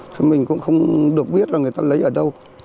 thì mình cũng không được biết là người ta lấy ở đâu